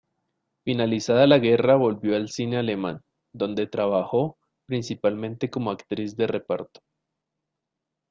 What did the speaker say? Finalizada la guerra volvió al cine alemán, donde trabajó principalmente como actriz de reparto.